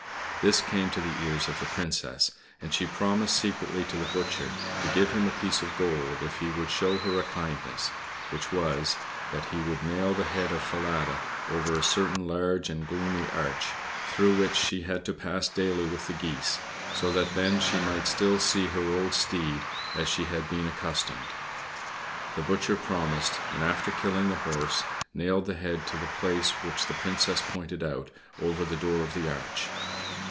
This came to the ears of the Princess, and she promised secretly to the butcher to give him a piece of gold if he would show her a kindness, which was, that he would nail the head of Falada over a certain large and gloomy arch, through which she had to pass daily with the geese, so that then she might still see her old steed as she had been accustomed. The butcher promised, and, after killing the horse, nailed the head in the place which the Princess pointed out, over the door of the arch.